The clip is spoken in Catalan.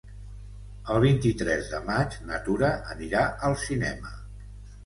El vint-i-tres de maig na Tura anirà al cinema.